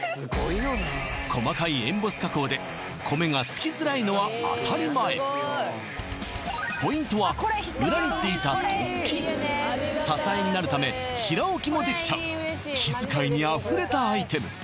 細かいエンボス加工で米がつきづらいのは当たり前ポイントは裏についた突起支えになるため平置きもできちゃう気遣いにあふれたアイテム